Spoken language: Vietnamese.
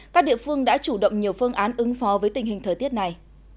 các địa phương đã chủ động nhiều phương án ứng phó với tình hình thời tiết này